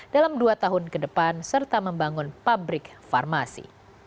dalam dua tahun ke depan serta membangun pabrik farmasi